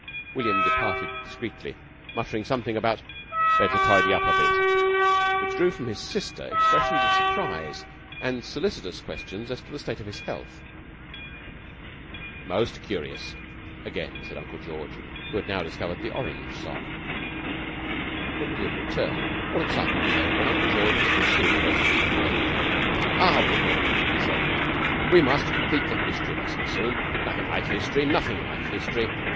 William departed discreetly muttering something about "better tidy up a bit," which drew from his sister expressions of surprise and solicitous questions as to his state of health. "Most curious!" again said Uncle George, who had now discovered the orange sock. When William returned, all excitement was over and Uncle George was consuming roast beef with energy. "Ah, William," he said, "we must complete the History lesson soon. Nothing like History. Nothing like History.